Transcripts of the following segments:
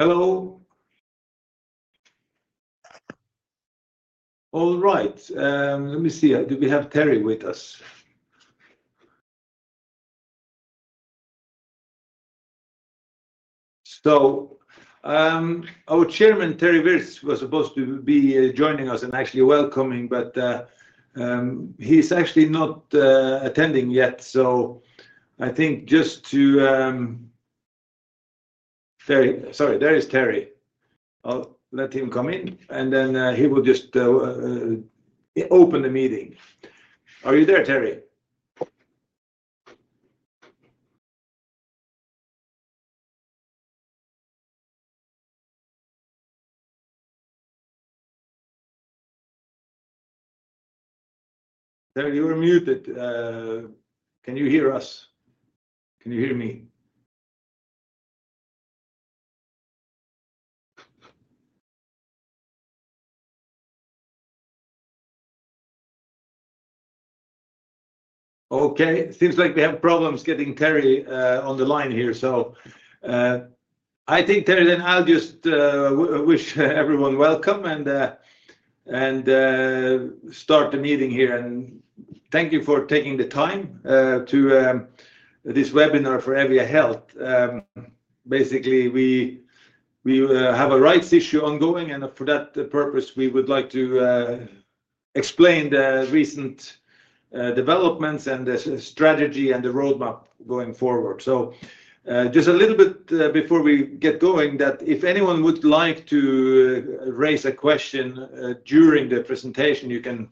Hello. All right. Let me see. Do we have Terry with us? So our Chairman, Terry Virts, was supposed to be joining us and actually welcoming, but he's actually not attending yet. So I think just to, sorry, there is Terry. I'll let him come in, and then he will just open the meeting. Are you there, Terry? Terry, you're muted. Can you hear us? Can you hear me? Okay. Seems like we have problems getting Terry on the line here. So I think, Terry, then I'll just wish everyone welcome and start the meeting here, and thank you for taking the time to this webinar for Eevia Health. Basically, we have a rights issue ongoing, and for that purpose, we would like to explain the recent developments and the strategy and the roadmap going forward. So, just a little bit before we get going, that if anyone would like to raise a question during the presentation, you can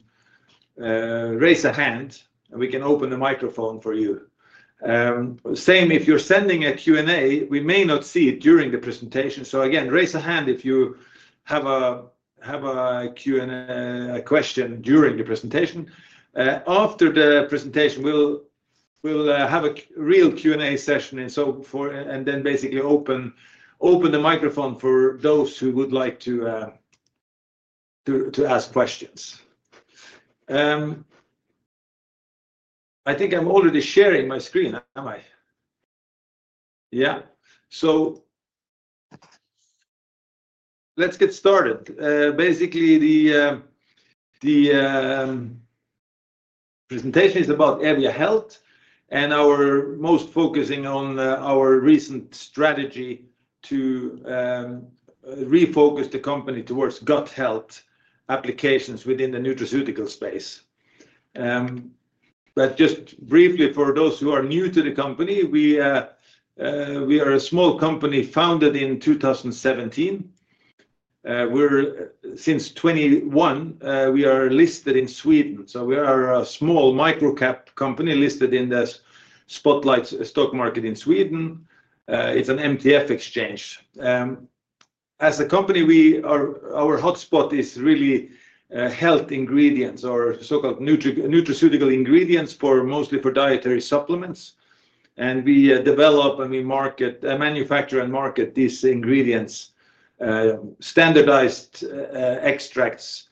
raise a hand, and we can open the microphone for you. Same if you're sending a Q&A, we may not see it during the presentation. So again, raise a hand if you have a Q&A question during the presentation. After the presentation, we'll have a real Q&A session, and then basically open the microphone for those who would like to ask questions. I think I'm already sharing my screen, am I? Yeah. So let's get started. Basically, the presentation is about Eevia Health and our most focusing on our recent strategy to refocus the company towards gut health applications within the nutraceutical space. But just briefly, for those who are new to the company, we are a small company founded in 2017. Since 2021, we are listed in Sweden. So we are a small microcap company listed in the Spotlight Stock Market in Sweden. It's an MTF exchange. As a company, our hotspot is really health ingredients, or so-called nutraceutical ingredients, mostly for dietary supplements. And we develop and we manufacture and market these ingredients, standardized extracts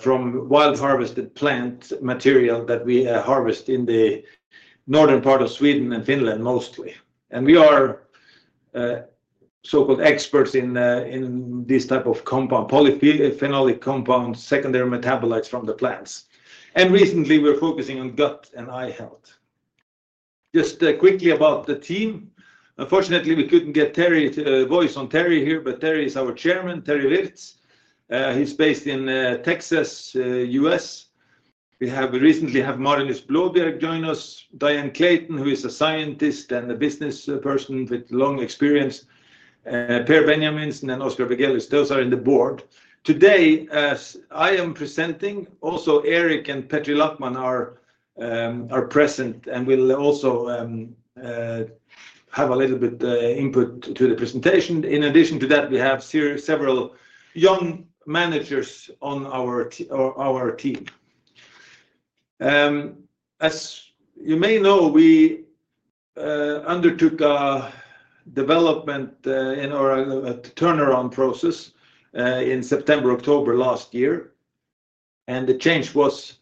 from wild-harvested plant material that we harvest in the northern part of Sweden and Finland mostly. And we are so-called experts in this type of compound, polyphenolic compounds, secondary metabolites from the plants. And recently, we're focusing on gut and eye health. Just quickly about the team. Unfortunately, we couldn't get Terry's voice on Terry here, but Terry is our chairman, Terry Virts. He's based in Texas, U.S. We recently have Marinus Blåbjerg join us, Diane Clayton, who is a scientist and a business person with long experience, Per Benjaminsen, and then Oskar Vigueles. Those are on the board. Today, I am presenting. Also, Erik and Petri Lackman are present and will also have a little bit of input to the presentation. In addition to that, we have several young managers on our team. As you may know, we undertook a development in our turnaround process in September, October last year, and the change was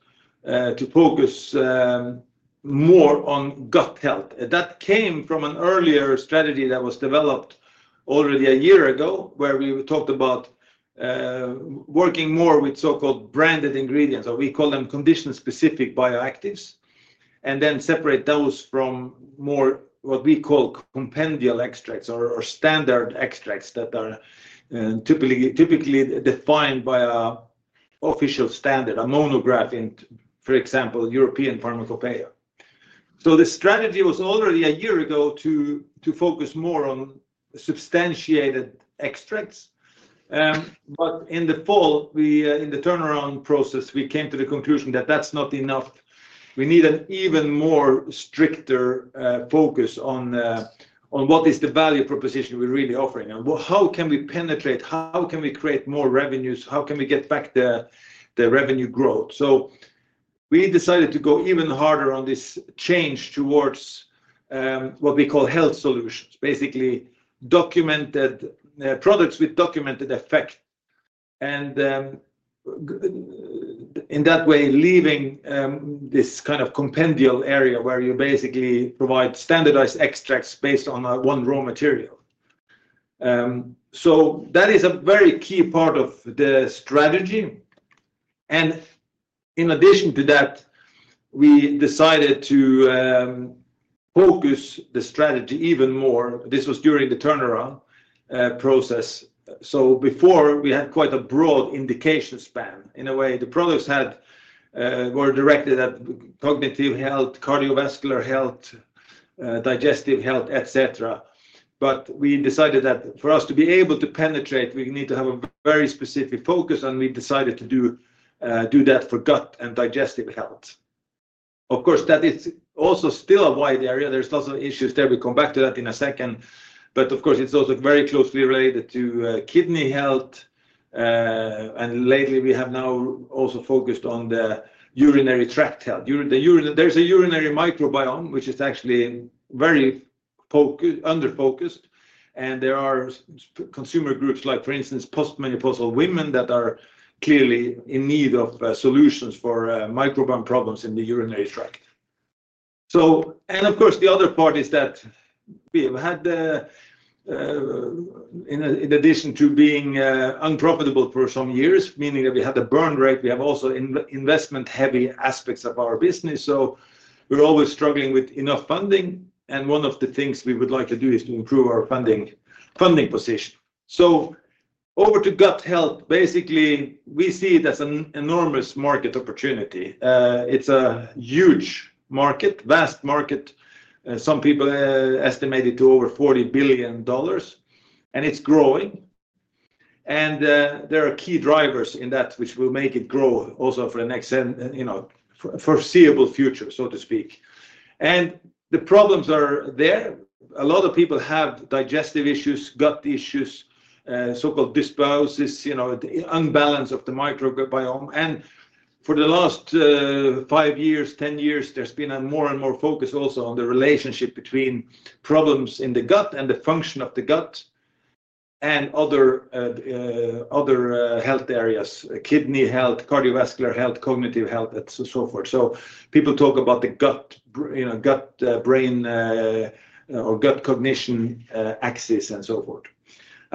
to focus more on gut health. That came from an earlier strategy that was developed already a year ago, where we talked about working more with so-called branded ingredients. We call them condition-specific bioactives, and then separate those from more what we call compendial extracts or standard extracts that are typically defined by an official standard, a monograph, for example, European Pharmacopeia, so the strategy was already a year ago to focus more on substantiated extracts. But in the fall, in the turnaround process, we came to the conclusion that that's not enough, we need an even more stricter focus on what is the value proposition we're really offering. How can we penetrate? How can we create more revenues? How can we get back the revenue growth, so we decided to go even harder on this change towards what we call health solutions, basically products with documented effect, and in that way, leaving this kind of compendial area where you basically provide standardized extracts based on one raw material, so that is a very key part of the strategy, and in addition to that, we decided to focus the strategy even more. This was during the turnaround process, so before, we had quite a broad indication span. In a way, the products were directed at cognitive health, cardiovascular health, digestive health, etc. But we decided that for us to be able to penetrate, we need to have a very specific focus, and we decided to do that for gut and digestive health. Of course, that is also still a wide area. There's lots of issues there. We'll come back to that in a second. But of course, it's also very closely related to kidney health. And lately, we have now also focused on the urinary tract health. There's a urinary microbiome, which is actually very under focused. And there are consumer groups, like for instance, post-menopausal women that are clearly in need of solutions for microbiome problems in the urinary tract. And of course, the other part is that we have had, in addition to being unprofitable for some years, meaning that we had a burn rate, we have also investment-heavy aspects of our business. So we're always struggling with enough funding. One of the things we would like to do is to improve our funding position. Over to gut health, basically, we see it as an enormous market opportunity. It's a huge market, vast market. Some people estimate it to over $40 billion, and it's growing. There are key drivers in that which will make it grow also for the foreseeable future, so to speak. The problems are there. A lot of people have digestive issues, gut issues, so-called dysbiosis, unbalance of the microbiome. For the last five years, 10 years, there's been more and more focus also on the relationship between problems in the gut and the function of the gut and other health areas, kidney health, cardiovascular health, cognitive health, and so forth. People talk about the gut-brain or gut-cognition axis and so forth.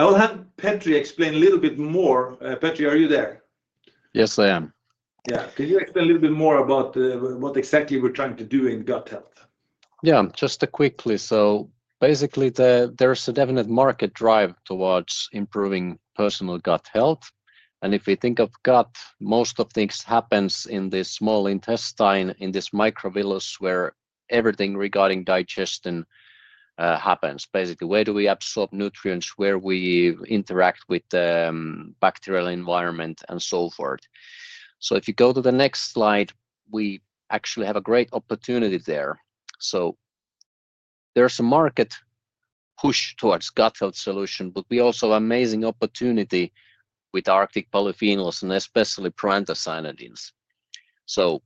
I'll have Petri explain a little bit more. Petri, are you there? Yes, I am. Yeah. Can you explain a little bit more about what exactly we're trying to do in gut health? Yeah, just quickly. So basically, there's a definite market drive towards improving personal gut health. And if we think of gut, most of things happen in this small intestine, in this microvillus where everything regarding digestion happens. Basically, where do we absorb nutrients, where we interact with the bacterial environment, and so forth. So if you go to the next slide, we actually have a great opportunity there. So there's a market push towards gut health solution, but we also have an amazing opportunity with Arctic polyphenols and especially proanthocyanidins. So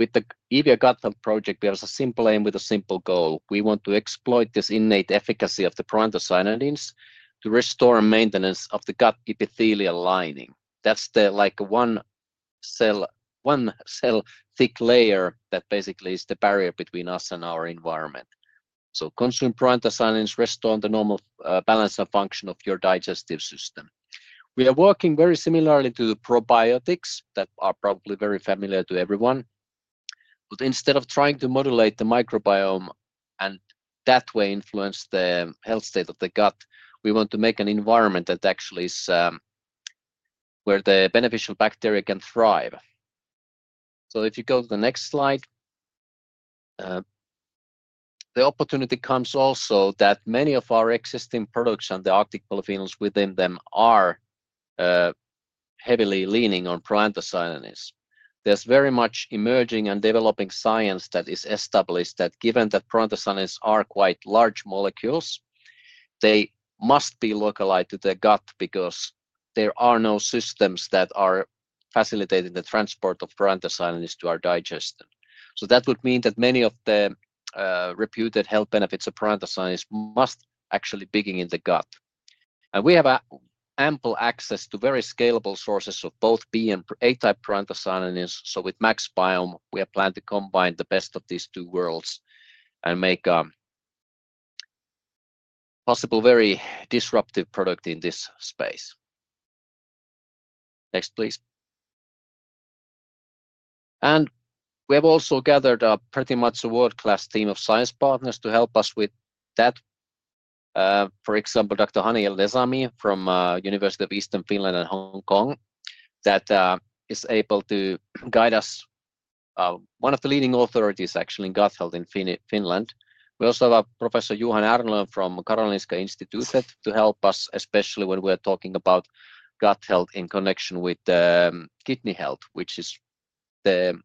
with the Eevia Gut Health Project, there's a simple aim with a simple goal. We want to exploit this innate efficacy of the proanthocyanidins to restore maintenance of the gut epithelial lining. That's like one cell thick layer that basically is the barrier between us and our environment. So consume proanthocyanidins, restore the normal balance and function of your digestive system. We are working very similarly to the probiotics that are probably very familiar to everyone. But instead of trying to modulate the microbiome and that way influence the health state of the gut, we want to make an environment that actually is where the beneficial bacteria can thrive. So if you go to the next slide, the opportunity comes also that many of our existing products and the Arctic polyphenols within them are heavily leaning on proanthocyanidins. There's very much emerging and developing science that is established that given that proanthocyanidins are quite large molecules, they must be localized to the gut because there are no systems that are facilitating the transport of proanthocyanidins to our digestion. So that would mean that many of the reputed health benefits of proanthocyanidins must actually begin in the gut. We have ample access to very scalable sources of both B and A-type proanthocyanidins. So with MaxBiome, we have planned to combine the best of these two worlds and make a possible very disruptive product in this space. Next, please. We have also gathered pretty much a world-class team of science partners to help us with that. For example, Dr. Hani El-Nezami from the University of Eastern Finland and Hong Kong that is able to guide us. One of the leading authorities actually in gut health in Finland. We also have Professor Johan Ärnlöv from Karolinska Institutet to help us, especially when we are talking about gut health in connection with kidney health, which is the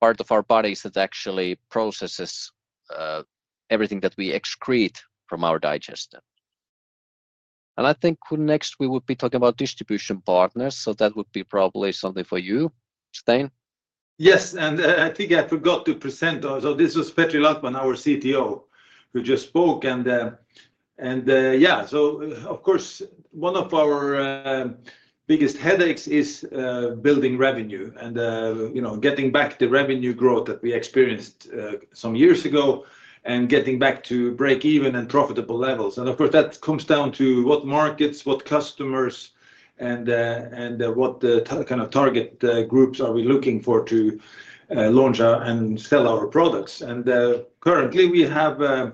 part of our bodies that actually processes everything that we excrete from our digestion. We think next we would be talking about distribution partners. So that would be probably something for you, Stein. Yes. And I think I forgot to present. So this was Petri Lackman, our CTO, who just spoke. And yeah, so of course, one of our biggest headaches is building revenue and getting back the revenue growth that we experienced some years ago and getting back to break-even and profitable levels. And of course, that comes down to what markets, what customers, and what kind of target groups are we looking for to launch and sell our products. And currently, we have a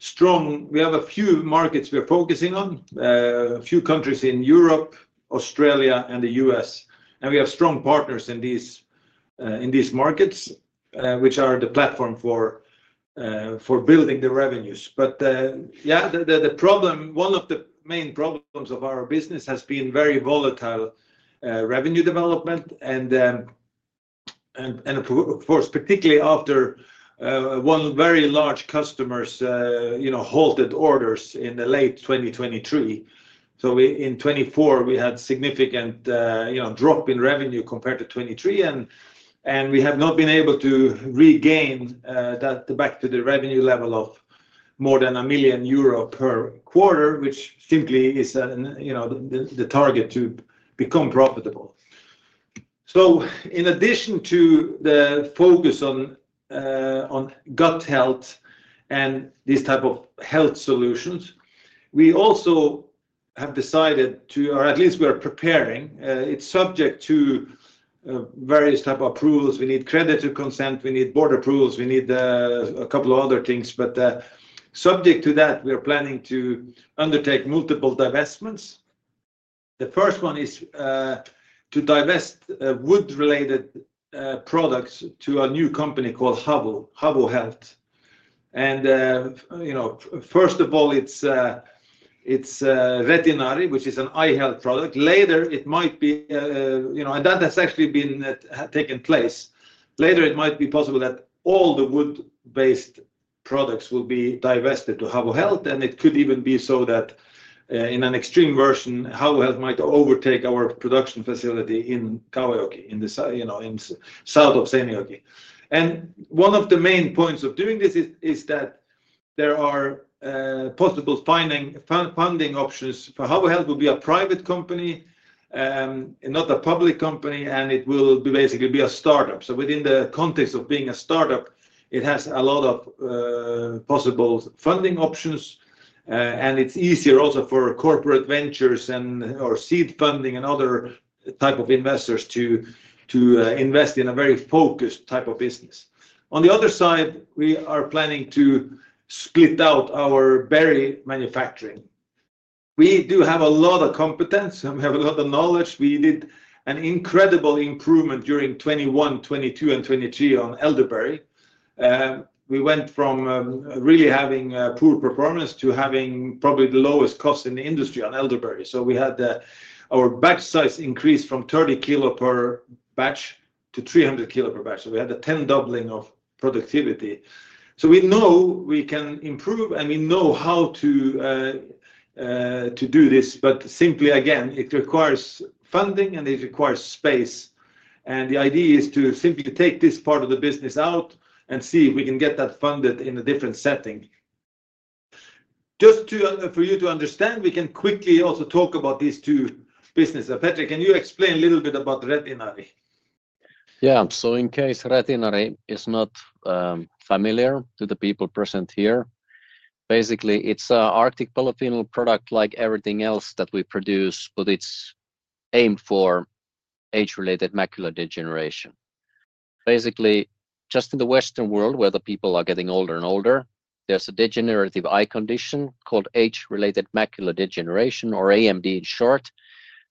few markets we are focusing on, a few countries in Europe, Australia, and the U.S. And we have strong partners in these markets, which are the platform for building the revenues. But yeah, one of the main problems of our business has been very volatile revenue development. And of course, particularly after one very large customer's halted orders in the late 2023. So in 2024, we had a significant drop in revenue compared to 2023. And we have not been able to regain back to the revenue level of more than 1 million euro per quarter, which simply is the target to become profitable. So in addition to the focus on gut health and these types of health solutions, we also have decided to, or at least we are preparing. It's subject to various types of approvals. We need creditor consent. We need board approvals. We need a couple of other things. But subject to that, we are planning to undertake multiple divestments. The first one is to divest wood-related products to a new company called Havu Health. And first of all, it's Retinari, which is an eye health product. Later, it might be, and that has actually been taking place, later, it might be possible that all the wood-based products will be divested to Havu Health. And it could even be so that in an extreme version, Havu Health might overtake our production facility in Kauhajoki, in the south of Seinäjoki. And one of the main points of doing this is that there are possible funding options for Havu Health. It will be a private company, not a public company, and it will basically be a startup. So within the context of being a startup, it has a lot of possible funding options. And it's easier also for corporate ventures or seed funding and other types of investors to invest in a very focused type of business. On the other side, we are planning to split out our berry manufacturing. We do have a lot of competence. We have a lot of knowledge. We did an incredible improvement during 2021, 2022, and 2023 on elderberry. We went from really having poor performance to having probably the lowest cost in the industry on elderberry. So we had our batch size increase from 30 kilos per batch to 300 kilos per batch. So we had a 10-doubling of productivity. So we know we can improve, and we know how to do this. But simply, again, it requires funding, and it requires space. And the idea is to simply take this part of the business out and see if we can get that funded in a different setting. Just for you to understand, we can quickly also talk about these two businesses. Petri, can you explain a little bit about Retinari? Yeah. So in case Retinari is not familiar to the people present here, basically, it's an Arctic polyphenol product like everything else that we produce, but it's aimed for age-related macular degeneration. Basically, just in the Western world, where the people are getting older and older, there's a degenerative eye condition called age-related macular degeneration, or AMD in short,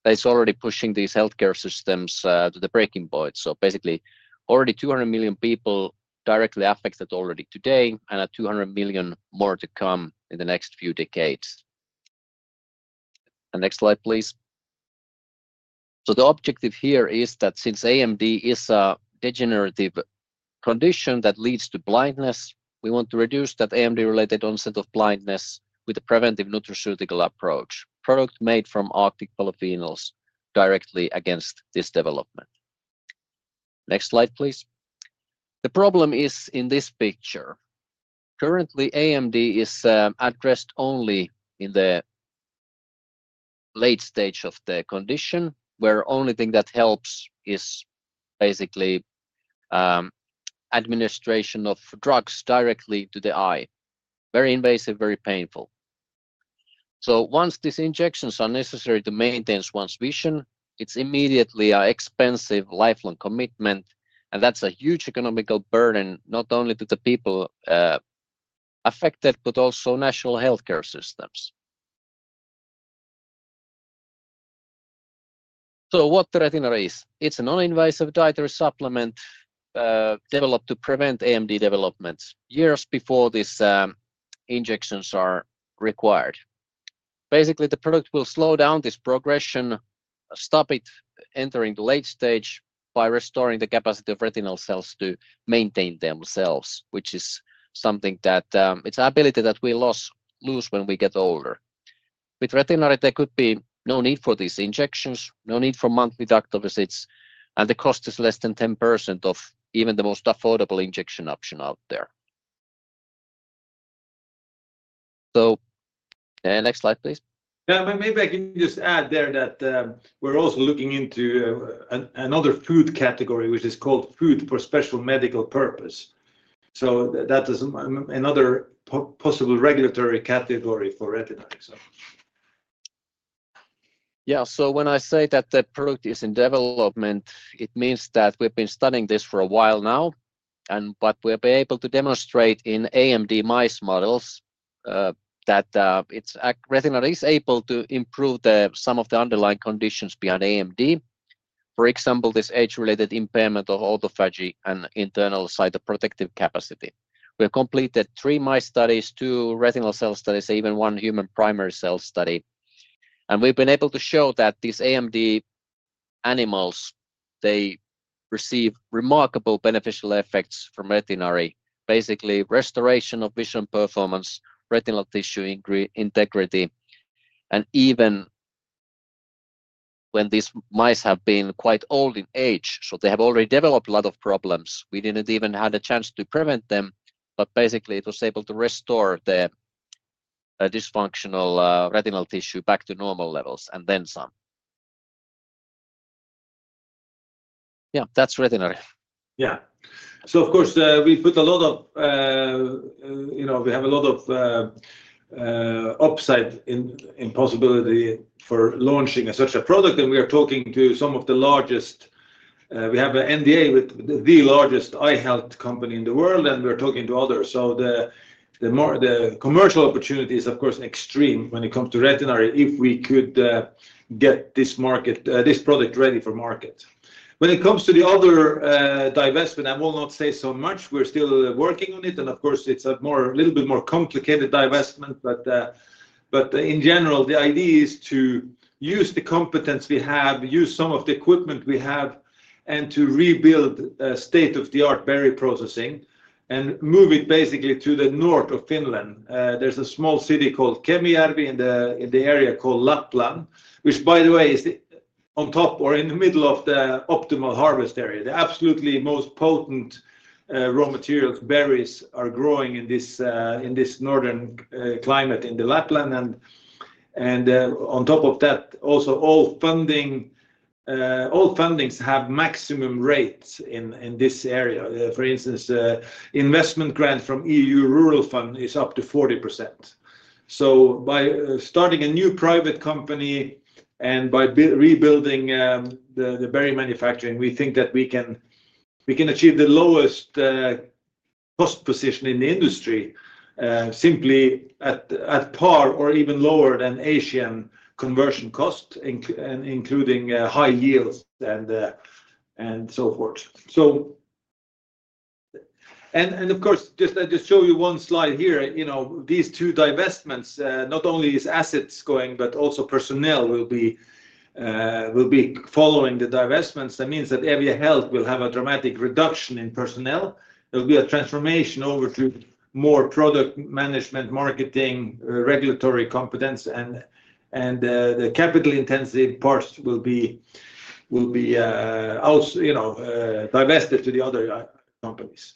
that is already pushing these healthcare systems to the breaking point. So basically, already 200 million people directly affected already today and 200 million more to come in the next few decades. Next slide, please. So the objective here is that since AMD is a degenerative condition that leads to blindness, we want to reduce that AMD-related onset of blindness with a preventive nutraceutical approach, a product made from Arctic polyphenols directly against this development. Next slide, please. The problem is in this picture. Currently, AMD is addressed only in the late stage of the condition, where the only thing that helps is basically administration of drugs directly to the eye. Very invasive, very painful. So once these injections are necessary to maintain one's vision, it's immediately an expensive lifelong commitment, and that's a huge economic burden, not only to the people affected, but also national healthcare systems, so what Retinari is? It's a non-invasive dietary supplement developed to prevent AMD development years before these injections are required. Basically, the product will slow down this progression, stop it entering the late stage by restoring the capacity of retinal cells to maintain themselves, which is something that it's an ability that we lose when we get older. With Retinari, there could be no need for these injections, no need for monthly doctor visits, and the cost is less than 10% of even the most affordable injection option out there. So next slide, please. Yeah. Maybe I can just add there that we're also looking into another food category, which is called food for special medical purpose, so that is another possible regulatory category for Retinari. Yeah. So when I say that the product is in development, it means that we've been studying this for a while now. But we've been able to demonstrate in AMD mice models that Retinari is able to improve some of the underlying conditions behind AMD. For example, this age-related impairment of autophagy and internal cytoprotective capacity. We have completed three mice studies, two retinal cell studies, and even one human primary cell study. And we've been able to show that these AMD animals, they receive remarkable beneficial effects from Retinari, basically restoration of vision performance, retinal tissue integrity. And even when these mice have been quite old in age, so they have already developed a lot of problems, we didn't even have the chance to prevent them. But basically, it was able to restore the dysfunctional retinal tissue back to normal levels and then some. Yeah, that's Retinari. Yeah. So of course, we have a lot of upside in possibility for launching such a product, and we are talking to some of the largest. We have NDA, the largest eye health company in the world, and we're talking to others. So the commercial opportunity is, of course, extreme when it comes to Retinari if we could get this product ready for market. When it comes to the other divestment, I will not say so much. We're still working on it, and of course, it's a little bit more complicated divestment, but in general, the idea is to use the competence we have, use some of the equipment we have, and to rebuild state-of-the-art berry processing and move it basically to the north of Finland. There's a small city called Kemijärvi in the area called Lapland, which, by the way, is on top or in the middle of the optimal harvest area. The absolutely most potent raw materials, berries, are growing in this northern climate in the Lapland. And on top of that, also all fundings have maximum rates in this area. For instance, investment grants from E.U. Rural Fund is up to 40%. So by starting a new private company and by rebuilding the berry manufacturing, we think that we can achieve the lowest cost position in the industry, simply at par or even lower than Asian conversion cost, including high yields and so forth. And of course, just to show you one slide here, these two divestments, not only is assets going, but also personnel will be following the divestments. That means that Eevia Health will have a dramatic reduction in personnel. There will be a transformation over to more product management, marketing, regulatory competence, and the capital-intensive parts will be divested to the other companies.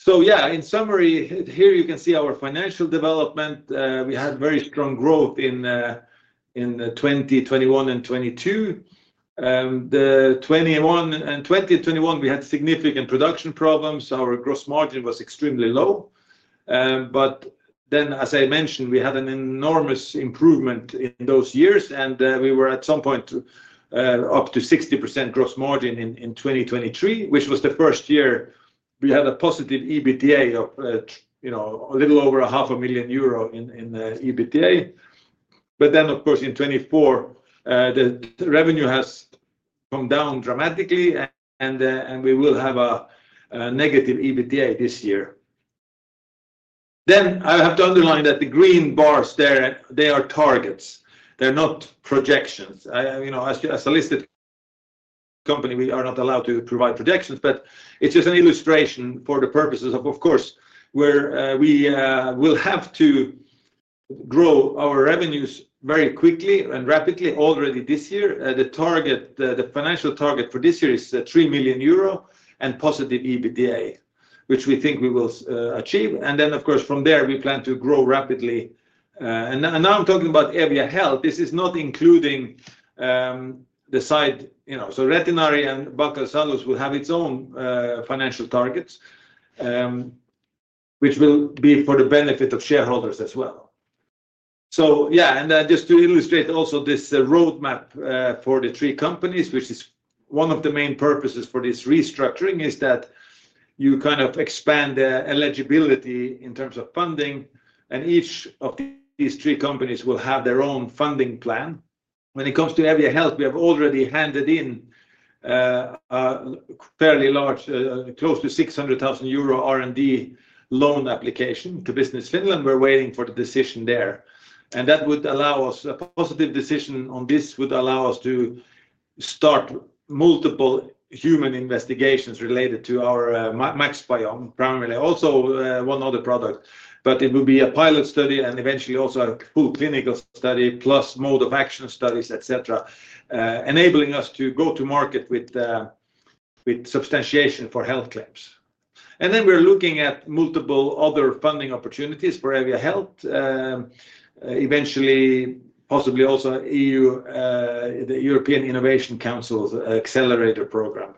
So yeah, in summary, here you can see our financial development. We had very strong growth in 2021 and 2022. The 2020 and 2021, we had significant production problems. Our gross margin was extremely low. But then, as I mentioned, we had an enormous improvement in those years. And we were at some point up to 60% gross margin in 2023, which was the first year we had a positive EBITDA of a little over 500,000 euro in EBITDA. But then, of course, in 2024, the revenue has come down dramatically, and we will have a negative EBITDA this year. Then I have to underline that the green bars there, they are targets. They're not projections. As a listed company, we are not allowed to provide projections. It is just an illustration for the purposes of, of course, where we will have to grow our revenues very quickly and rapidly already this year. The financial target for this year is 3 million euro and positive EBITDA, which we think we will achieve. Then, of course, from there, we plan to grow rapidly. Now I am talking about Eevia Health. This is not including the side. So Retinari and Baccas Salus will have its own financial targets, which will be for the benefit of shareholders as well. Yeah, and just to illustrate also this roadmap for the three companies, which is one of the main purposes for this restructuring, is that you kind of expand the eligibility in terms of funding. Each of these three companies will have their own funding plan. When it comes to Eevia Health, we have already handed in a fairly large, close to 600,000 euro R&D loan application to Business Finland. We're waiting for the decision there. A positive decision on this would allow us to start multiple human investigations related to our MaxBiome, primarily also one other product. But it will be a pilot study and eventually also a full clinical study plus mode of action studies, etc., enabling us to go to market with substantiation for health claims. Then we're looking at multiple other funding opportunities for Eevia Health, eventually possibly also the European Innovation Council's accelerator program.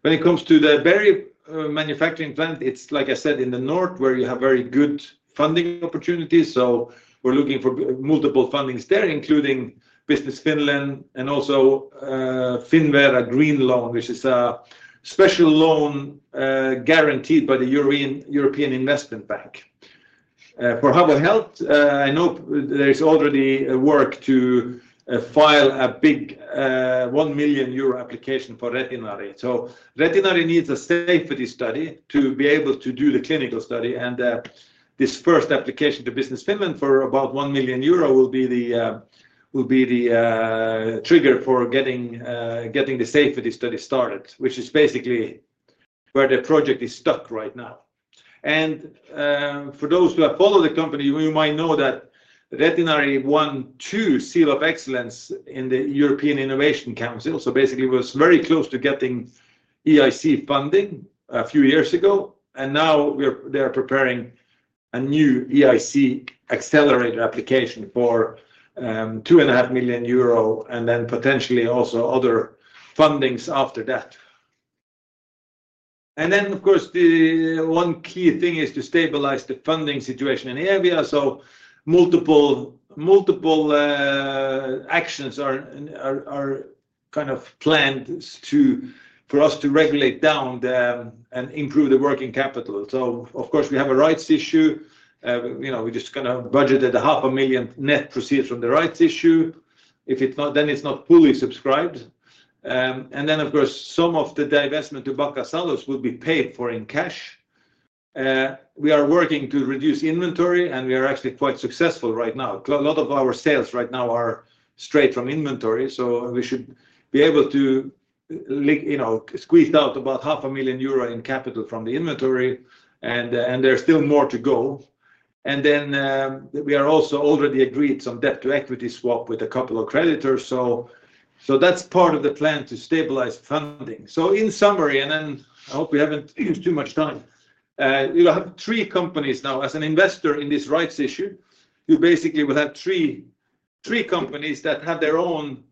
When it comes to the berry manufacturing plant, it's, like I said, in the north where you have very good funding opportunities. So we're looking for multiple fundings there, including Business Finland and also Finvera Green Loan, which is a special loan guaranteed by the European Investment Bank. For Havu Health, I know there's already work to file a big 1 million euro application for Retinari. So Retinari needs a safety study to be able to do the clinical study. And this first application to Business Finland for about 1 million euro will be the trigger for getting the safety study started, which is basically where the project is stuck right now. And for those who have followed the company, you might know that Retinari won two Seal of Excellence in the European Innovation Council. So basically, it was very close to getting EIC funding a few years ago. And now they're preparing a new EIC accelerator application for 2.5 million euro and then potentially also other fundings after that. Then, of course, the one key thing is to stabilize the funding situation in Eevia. So multiple actions are kind of planned for us to regulate down and improve the working capital. So of course, we have a rights issue. We just kind of budgeted 500,000 net proceeds from the rights issue. If it's not, then it's not fully subscribed. And then, of course, some of the divestment to Baccas Salus will be paid for in cash. We are working to reduce inventory, and we are actually quite successful right now. A lot of our sales right now are straight from inventory. So we should be able to squeeze out about 500,000 euro in capital from the inventory. And there's still more to go. And then we are also already agreed some debt-to-equity swap with a couple of creditors. So that's part of the plan to stabilize funding. So in summary, and then I hope we haven't used too much time, you'll have three companies now. As an investor in this rights issue, you basically will have three companies that have their own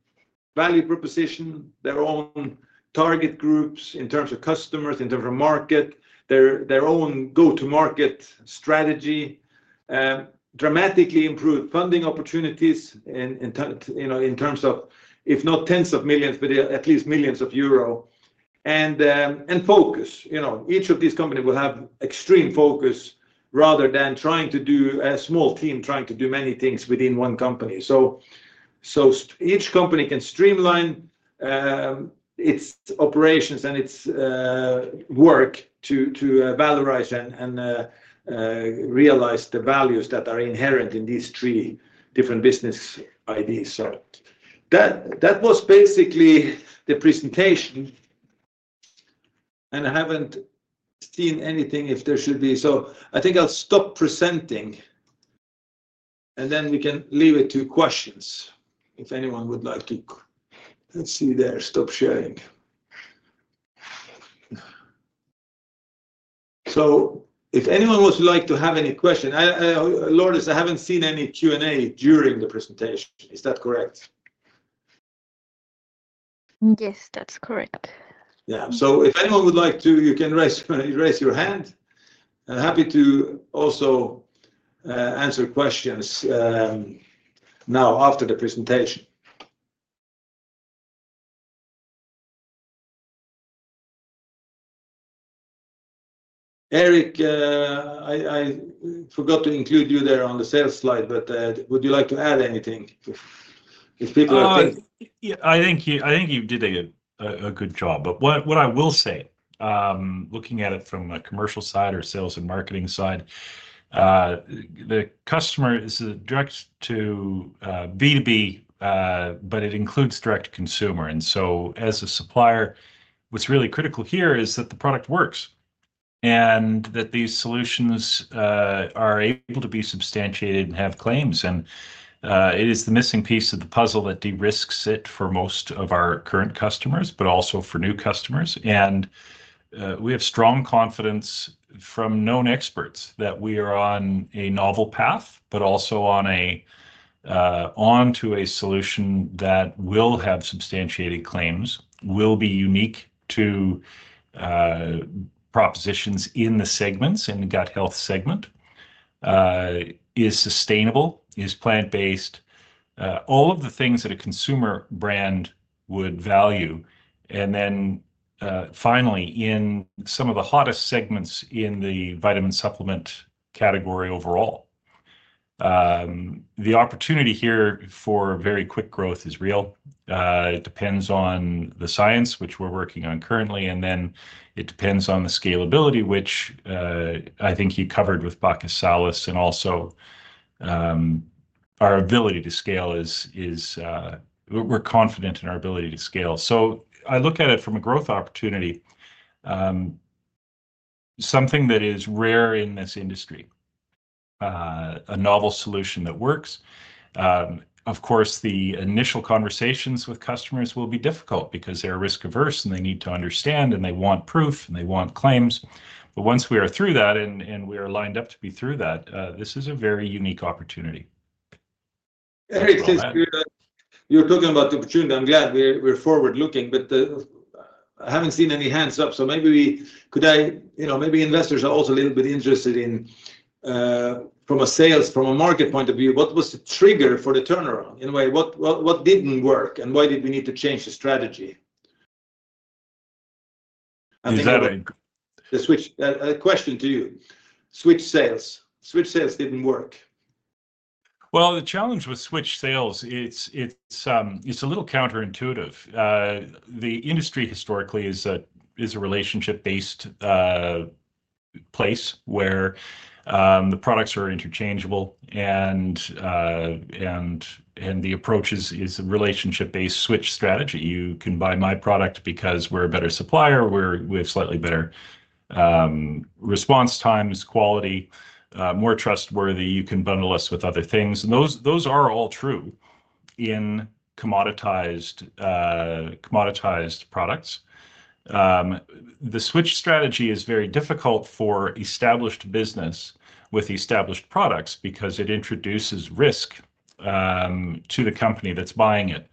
value proposition, their own target groups in terms of customers, in terms of market, their own go-to-market strategy, dramatically improved funding opportunities in terms of, if not tens of millions, but at least millions of euro, and focus. Each of these companies will have extreme focus rather than trying to do a small team trying to do many things within one company. So each company can streamline its operations and its work to valorize and realize the values that are inherent in these three different business ideas. So that was basically the presentation. And I haven't seen anything if there should be. So I think I'll stop presenting. And then we can leave it to questions if anyone would like to. Let's see there. Stop sharing. So if anyone would like to have any question, Lourdes, I haven't seen any Q&A during the presentation. Is that correct? Yes, that's correct. Yeah. So if anyone would like to, you can raise your hand. I'm happy to also answer questions now after the presentation. Erik, I forgot to include you there on the sales slide, but would you like to add anything if people are thinking? I think you did a good job. But what I will say, looking at it from a commercial side or sales and marketing side, the customer is a direct-to-BB, but it includes direct-to-consumer. And so as a supplier, what's really critical here is that the product works and that these solutions are able to be substantiated and have claims. And it is the missing piece of the puzzle that de-risks it for most of our current customers, but also for new customers. And we have strong confidence from known experts that we are on a novel path, but also on to a solution that will have substantiated claims, will be unique to propositions in the segments in the gut health segment, is sustainable, is plant-based, all of the things that a consumer brand would value. And then finally, in some of the hottest segments in the vitamin supplement category overall, the opportunity here for very quick growth is real. It depends on the science, which we're working on currently. And then it depends on the scalability, which I think you covered with Baccal Salus and also our ability to scale. We're confident in our ability to scale. So I look at it from a growth opportunity, something that is rare in this industry, a novel solution that works. Of course, the initial conversations with customers will be difficult because they're risk-averse and they need to understand and they want proof and they want claims. But once we are through that and we are lined up to be through that, this is a very unique opportunity. Erik, since you're talking about the opportunity, I'm glad we're forward-looking. But I haven't seen any hands up. So maybe investors are also a little bit interested in, from a sales, from a market point of view, what was the trigger for the turnaround? In a way, what didn't work and why did we need to change the strategy? Exactly. The switch question to you. Switch sales didn't work. The challenge with switch sales, it's a little counterintuitive. The industry historically is a relationship-based place where the products are interchangeable. The approach is a relationship-based switch strategy. You can buy my product because we're a better supplier. We have slightly better response times, quality, more trustworthy. You can bundle us with other things. Those are all true in commoditized products. The switch strategy is very difficult for established business with established products because it introduces risk to the company that's buying it.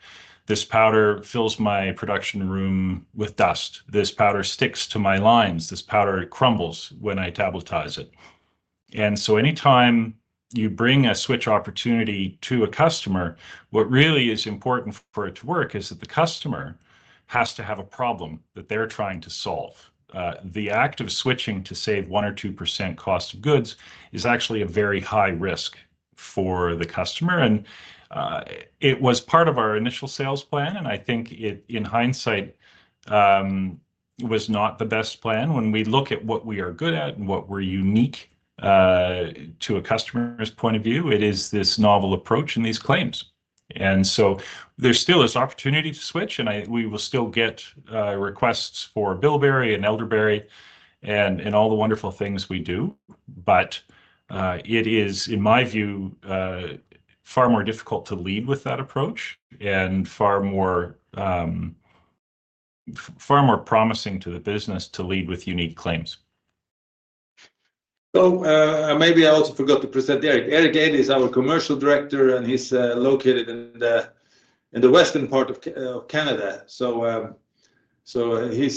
This powder fills my production room with dust. This powder sticks to my lines. This powder crumbles when I tabletize it. Anytime you bring a switch opportunity to a customer, what really is important for it to work is that the customer has to have a problem that they're trying to solve. The act of switching to save 1% or 2% cost of goods is actually a very high risk for the customer. It was part of our initial sales plan. I think it, in hindsight, was not the best plan. When we look at what we are good at and what we're unique to a customer's point of view, it is this novel approach and these claims. There still is opportunity to switch. We will still get requests for Bilberry and Elderberry and all the wonderful things we do. It is, in my view, far more difficult to lead with that approach and far more promising to the business to lead with unique claims. Maybe I also forgot to present Erik. Erik Eide is our commercial director, and he's located in the western part of Canada. He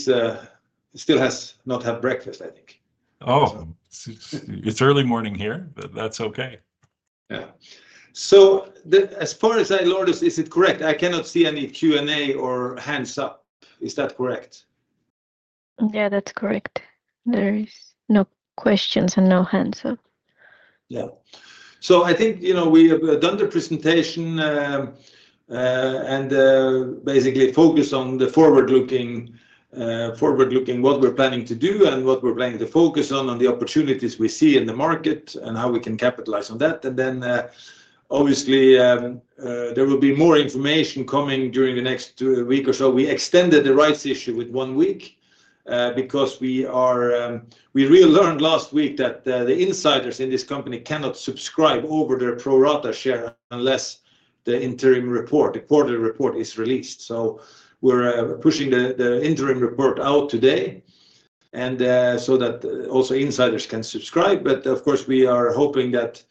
still has not had breakfast, I think. Oh. It's early morning here, but that's okay. Yeah. So, as far as I, Lourdes, is it correct? I cannot see any Q&A or hands up. Is that correct? Yeah, that's correct. There is no questions and no hands up. Yeah. So I think we have done the presentation and basically focused on the forward-looking what we're planning to do and what we're planning to focus on, on the opportunities we see in the market and how we can capitalize on that. And then obviously, there will be more information coming during the next week or so. We extended the rights issue with one week because we really learned last week that the insiders in this company cannot subscribe over their pro-rata share unless the interim report, the quarterly report, is released. So we're pushing the interim report out today so that also insiders can subscribe. But of course, we are hoping that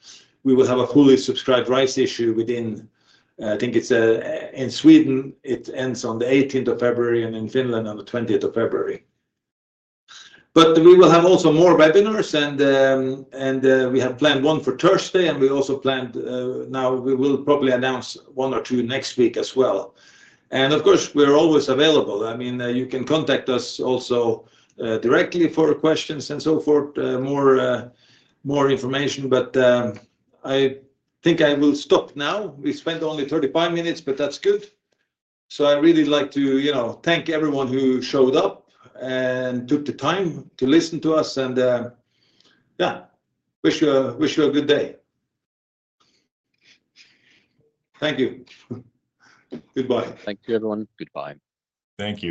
we will have a fully subscribed rights issue within. I think it's in Sweden. It ends on the 18th of February and in Finland on the 20th of February. But we will have also more webinars. And we have planned one for Thursday. And we also planned, now we will probably announce one or two next week as well. And of course, we're always available. I mean, you can contact us also directly for questions and so forth, more information. But I think I will stop now. We spent only 35 minutes, but that's good. So I really like to thank everyone who showed up and took the time to listen to us. And yeah, wish you a good day. Thank you. Goodbye. Thank you, everyone. Goodbye. Thank you.